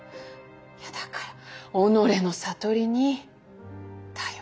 いやだから己の悟りに頼るな。